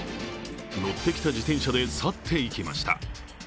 乗ってきた自転車で去っていきました。